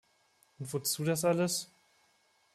Und wozu das alles?